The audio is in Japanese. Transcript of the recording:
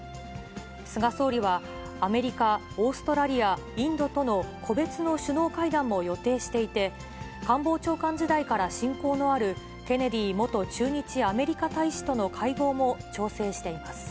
菅総理は、アメリカ、オーストラリア、インドとの個別の首脳会談も予定していて、官房長官時代から親交のあるケネディ元駐日アメリカ大使との会合